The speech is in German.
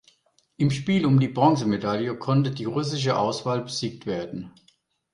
Im Spiel um die Bronzemedaille konnte die russische Auswahl besiegt werden.